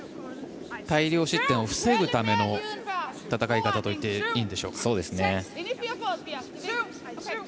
大量失点を防ぐための戦い方といっていいですね。